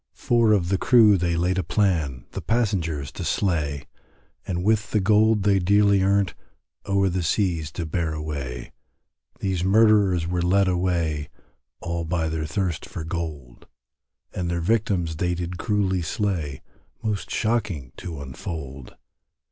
Four of the crew they laid a plan, The passengers to slay, And with the gold they dearly earnt, O'er the seas to bear away; These murderers were led away, All by their thirst for gold, And their victims they did cruelly slay, Most shocking to unfold.